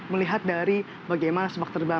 melihat dari bagaimana